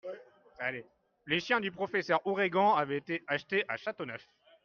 les chiens du professeur Aouregan avaient été achetés à Châteauneuf.